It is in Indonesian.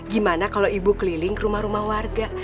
gimana kalau ibu keliling ke rumah rumah warga